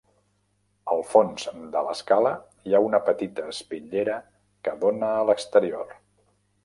Al fons de l'escala hi ha una petita espitllera que dóna a l'exterior.